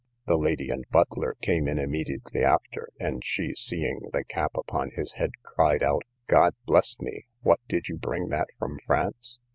The lady and butler came in immediately after, and she, seeing the cap upon his head, cried out, God bless me! what, did you bring that from France?